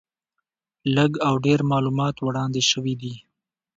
لږ او ډېر معلومات وړاندې شوي دي.